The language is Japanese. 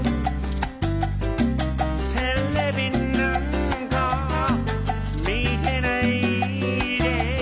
「ＴＶなんか見てないで」